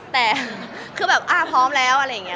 แต่คือแบบพร้อมแล้วอะไรอย่างนี้